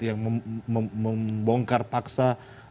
yang membongkar paksa